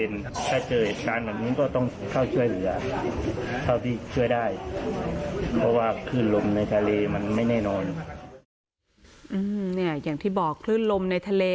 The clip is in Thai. อย่างที่บอกคลื่นลมในทะเล